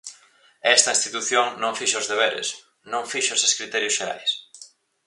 E esta institución non fixo os deberes, non fixo eses criterios xerais.